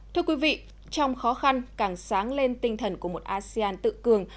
thưa quý vị trong khó khăn càng sáng lên tinh thần của một asean tự cường